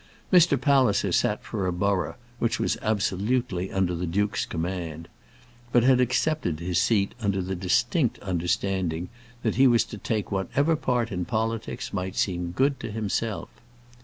Mr. Palliser sat for a borough which was absolutely under the duke's command; but had accepted his seat under the distinct understanding that he was to take whatever part in politics might seem good to himself.